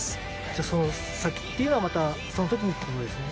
じゃその先っていうのはまたその時にってことですね